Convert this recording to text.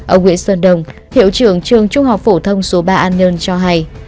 ở nguyễn sơn đông hiệu trường trường trung học phổ thông số ba an nhơn cho hay